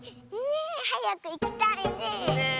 ねえはやくいきたいねえ。